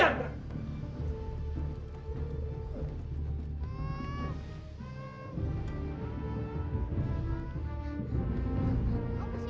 aduh jangan pak eh